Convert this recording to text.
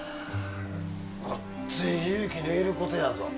ごっつい勇気のいることやぞ。